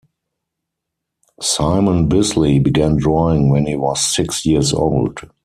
Simon Bisley began drawing when he was six years old.